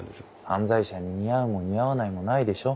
犯罪者に似合うも似合わないもないでしょ。